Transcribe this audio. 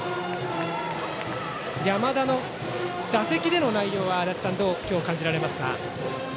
山田の打席での内容は足達さん、どう今日は感じられますか？